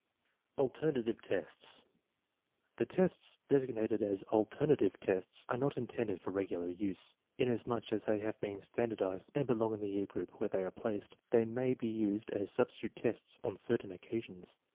Alternative tests. The tests designated as " alternative tests " are not intended for regular use. Inasmuch as they have been standardized and belong in the year group where they are placed, they may be used as substitute tests on certain occasions.